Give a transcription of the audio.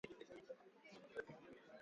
chamganya unga na chumvi